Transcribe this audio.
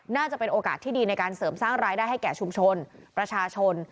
น่าจะเป็นโอกาสที่ดีในการเสริมสร้างรายได้ให้แก่ชุมชนประชาชน